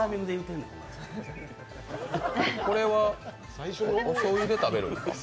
これは、おしょうゆで食べるんですか？